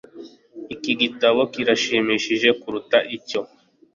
Iki gitabo kirashimishije kuruta icyo